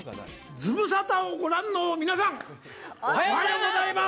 ズムサタをご覧の皆さん、おはようございます。